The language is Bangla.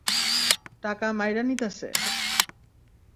টাকা মাইরা নিতাছে!